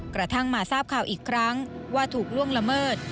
กระทั่งมาทราบข่าวอีกครั้งว่าถูกล่วงละเมิด